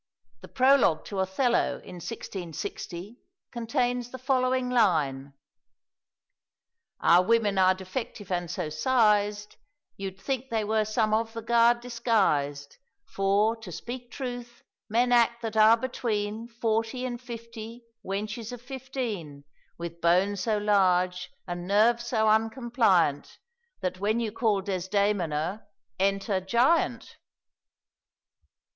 The prologue to "Othello" in 1660 contains the following line: "Our women are defective and so sized, You'd think they were some of the guard disguised; For, to speak truth, men act that are between Forty and fifty, wenches of fifteen, With bone so large, and nerve so uncompliant, That, when you call Desdemona, enter giant."